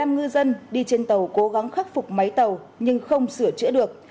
một mươi ngư dân đi trên tàu cố gắng khắc phục máy tàu nhưng không sửa chữa được